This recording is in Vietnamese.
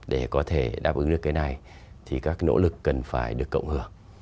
để có thể đáp ứng được cái này thì các nỗ lực cần phải được cộng hưởng